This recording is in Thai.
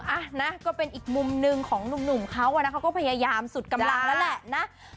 อ่ะนะก็เป็นอีกมุมหนึ่งของหนุ่มเขาอ่ะนะเขาก็พยายามสุดกำลังแล้วแหละนะ